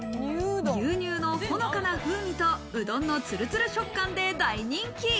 牛乳のほのかな風味と、うどんのツルツル食感で大人気。